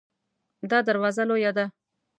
دا دروازه لویه ده